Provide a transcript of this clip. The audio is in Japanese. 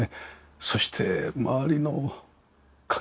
そして周りの環境。